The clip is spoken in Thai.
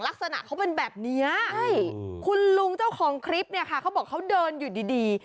ลักษณะเขาเป็นแบบนี้ใช่คุณลุงเจ้าของคลิปเนี่ยค่ะเขาบอกเขาเดินอยู่ดีดี